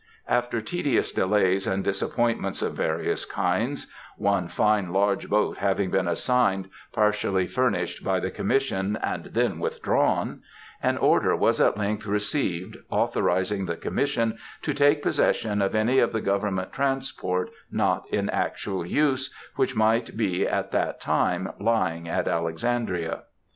After tedious delays and disappointments of various kinds,—one fine large boat having been assigned, partially furnished by the Commission, and then withdrawn,—an order was at length received, authorizing the Commission to take possession of any of the government transports, not in actual use, which might be at that time lying at Alexandria.